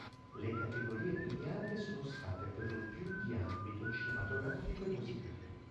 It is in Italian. Le categorie premiate sono state perlopiù di ambito cinematografico e musicale.